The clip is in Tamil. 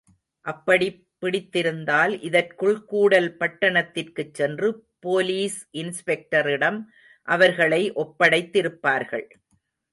அப்படிப் பிடித்திருந்தால் இதற்குள் கூடல் பட்டணத்திற்குச் சென்று, போலீஸ் இன்ஸ்பெக்டரிடம் அவர்களை ஒப்படைத்திருப்பார்கள்.